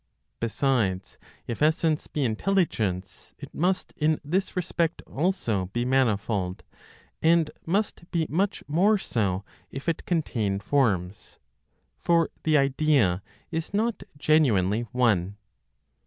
Besides, if essence be intelligence, it must in this respect also be manifold, and must be much more so if it contain forms; for the idea is not genuinely one.